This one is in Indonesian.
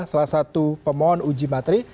salah satu pemohon uji materi